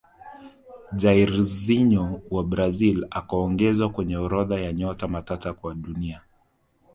jairzinho wa brazil akaongezwa kwenye orodha ya nyota matata wa dunia